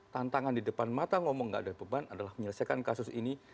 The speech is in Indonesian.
tantangan di depan mata ngomong gak ada beban adalah menyelesaikan kasus ini